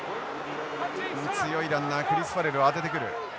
強いランナークリスファレルを当ててくる。